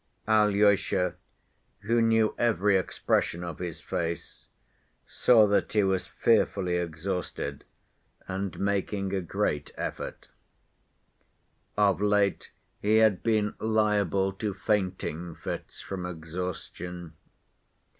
Alyosha, who knew every expression of his face, saw that he was fearfully exhausted and making a great effort. Of late he had been liable to fainting fits from exhaustion.